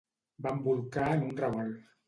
Vam bolcar en un revolt.